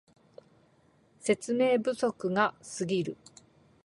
説明不足がすぎる